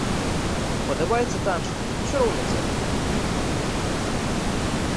Падабаецца танчыць, усё роўна дзе.